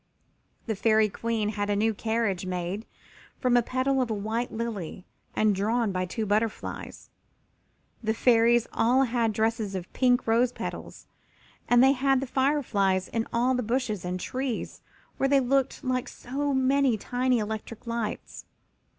The Fairy Queen had a new carriage made from a petal of a white lily and drawn by two butterflies. The Fairies all had new dresses of pink rose petals and they had the fireflies in all the bushes and trees where they looked like so many tiny electric lights.